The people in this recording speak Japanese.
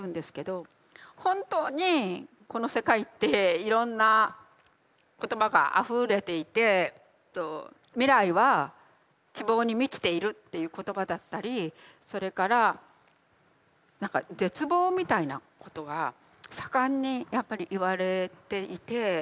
本当にこの世界っていろんな言葉があふれていて未来は希望に満ちているっていう言葉だったりそれから何か絶望みたいなことが盛んにやっぱり言われていて。